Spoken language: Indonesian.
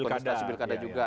ikut kontestasi pilkada juga